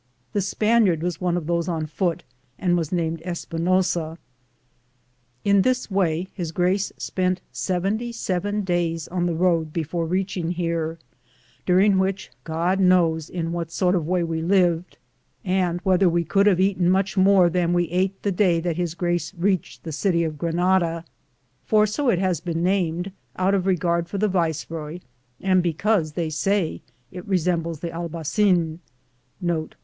The Spaniard was one of those on foot, and was named Espinosa. In this way his grace spent seventy seven days on the road before reaching here, during which God knows in what sort of a way we lived, and whether we could have eaten much more than we ate the day that his grace reached this city of Granada, for so it has been named out of regard for the viceroy, and because they say it resembles the Albai oin.'